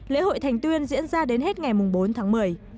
lễ hội thành tuyên diễn ra đến hết ngày bốn tháng một mươi